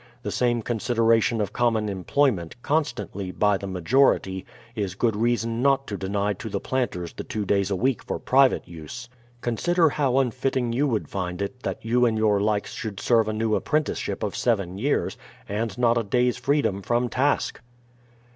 The same consideration of com mon emplo3'ment, constantly, by the majority, is good reason not to deny to the planters the two days a week for private use. Con sider how unfitting you would find it that you and your likes should THE PLYMOUTH SETTLEMENT 41 serve a new apprenticeship of seven years, and not a day's freedom from task.